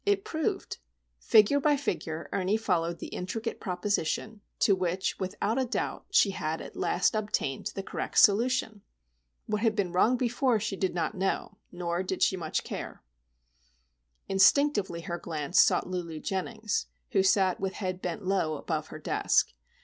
It proved! Figure by figure Ernie followed the intricate proposition, to which, without a doubt, she had at last obtained the correct solution! What had been wrong before she did not know, nor did she much care. Instinctively her glance sought Lulu Jennings, who sat with head bent low above her desk.